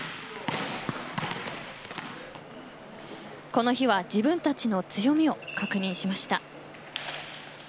この日は、自分たちの強みを確認しました。